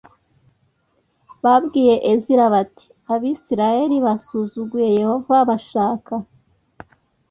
Babwiye ezira bati abisirayeli basuzuguye yehova bashaka